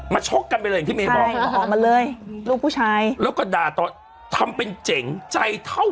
มาช่อซ์กรรมไปเลยอย่างที่เม้บอกออกมาเลยฮะ